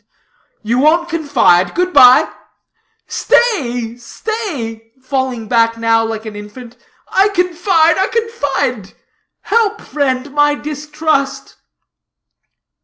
"You won't confide. Good bye!" "Stay, stay," falling back now like an infant, "I confide, I confide; help, friend, my distrust!"